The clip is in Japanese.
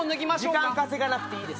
時間稼がなくていいです。